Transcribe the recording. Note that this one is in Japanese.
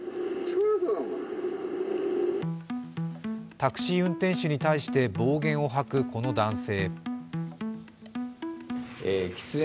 タクシー運転手に対して暴言を吐くこの男性。